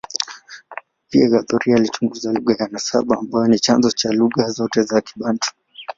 Pia, Guthrie alichunguza lugha ya nasaba ambayo ni chanzo cha lugha zote za Kibantu.